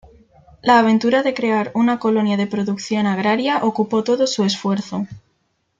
La aventura de crear una colonia de producción agraria ocupó todo su esfuerzo.